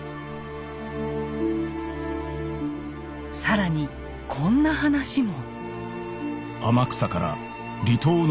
更にこんな話も。